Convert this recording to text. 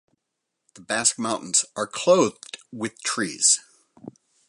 The Basque mountains are clothed with trees.